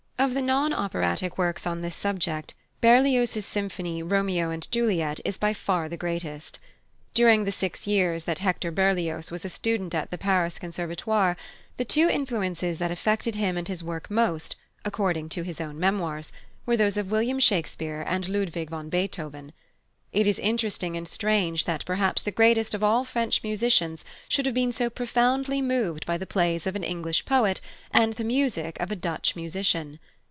Of the non operatic works on this subject, +Berlioz's+ symphony Romeo and Juliet is by far the greatest. During the six years that Hector Berlioz was a student at the Paris Conservatoire, the two influences that affected him and his work most, according to his own memoirs, were those of William Shakespeare and Ludwig van Beethoven. It is interesting and strange that perhaps the greatest of all French musicians should have been so profoundly moved by the plays of an English poet and the music of a Dutch musician.